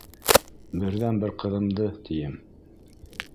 Берҙән-бер ҡыҙымды, тием.